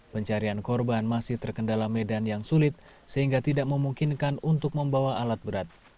pencarian korban masih terkendala medan yang sulit sehingga tidak memungkinkan untuk membawa alat berat